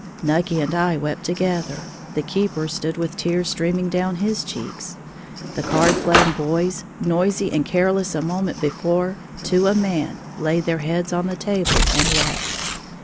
Nucky and I wept together, the keeper stood with tears streaming down his cheeks, the card playing boys, noisy and careless a moment before, to a man laid their heads on the table and wept.